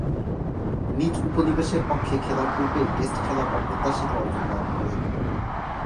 নিজ উপনিবেশের পক্ষে খেলার পূর্বেই টেস্ট খেলার অপ্রত্যাশিত অর্জন লাভ করেন।